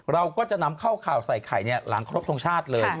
เราก็จะนำเข้าข่าวใส่ไข่หลังครบทรงชาติเลย